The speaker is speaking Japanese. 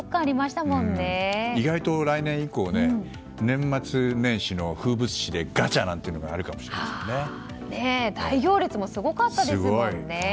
意外と来年以降年末年始の風物詩でガチャなんてものが大行列もすごかったですもんね。